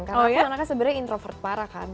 karena aku sebenarnya introvert parah kan